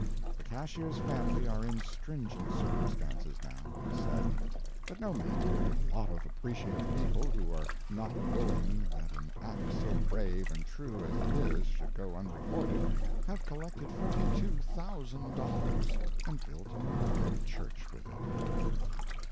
The cashier's family are in stringent circumstances, now, it is said; but no matter; a lot of appreciative people, who were not willing that an act so brave and true as his should go unrewarded, have collected forty two thousand dollars and built a Memorial Church with it.